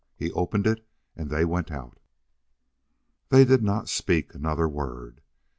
He opened it and they went out. They did not speak another word.